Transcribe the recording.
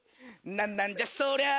なんなんじゃそりゃ。